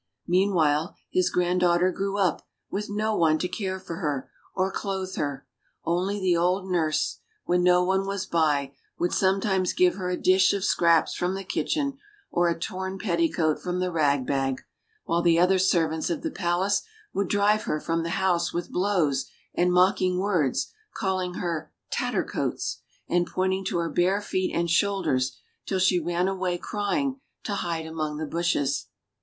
Meanwhile, his granddaughter grew up with no one to care for her, or clothe her ; only the old nurse, when no one was by, would sometimes give her a dish of scraps from the kitchen, or a torn petticoat from the rag bag ; while the other servants of the palace would drive her from the house with blows and mocking words, calling her 5S 56 ENGLISH FAIRY TALES "Tattercoats, and pointing to her bare feet and shoulders, till she ran away, crying, to hide among the bushes.